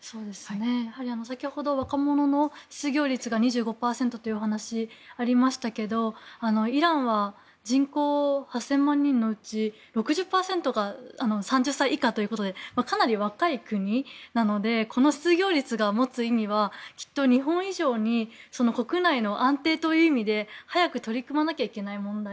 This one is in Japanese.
やはり先ほど若者の失業率が２５％というお話がありましたがイランは人口８０００万人のうち６０％が３０歳以下ということでかなり若い国なのでこの失業率が持つ意味はきっと日本以上に国内の安定という意味で早く取り組まなければいけない問題。